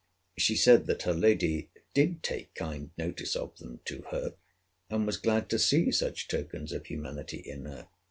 She said that her lady did take kind notice of them to her; and was glad to see such tokens of humanity in her.